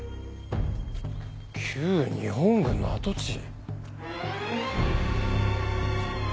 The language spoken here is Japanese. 日本軍の跡地？